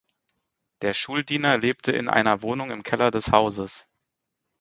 Der Schuldiener lebte in einer Wohnung im Keller des Hauses.